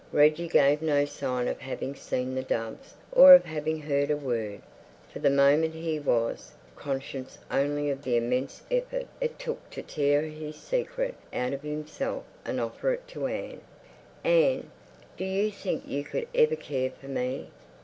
Reggie gave no sign of having seen the doves or of having heard a word. For the moment he was conscious only of the immense effort it took to tear his secret out of himself and offer it to Anne. "Anne, do you think you could ever care for me?"